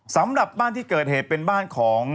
สำหรับบ้านที่เกิดเหตุเป็นบ้านของ